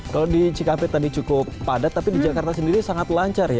kalau di cikampek tadi cukup padat tapi di jakarta sendiri sangat lancar ya